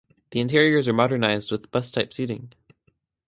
The interiors were modernised with bus-type seating.